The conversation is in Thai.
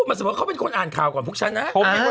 เหมือนสมมุติเขาเป็นคนอ่านข่าวก่อนพวกฉันนะ